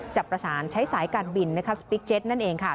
จะประสานใช้สายการบินนะคะสปิกเจ็ตนั่นเองค่ะ